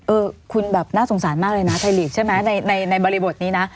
เออคุณแบบน่าสงสารมากเลยนะไทยลีกใช่ไหมในบริบทนี้นะ